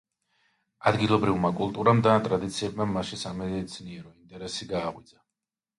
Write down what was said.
ადგილობრივმა კულტურამ და ტრადიციებმა მასში სამეცნიერო ინტერესი გააღვიძა.